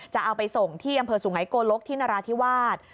จะเอาไปส่งที่อำเภอสุไงโกลกที่นราธิวาส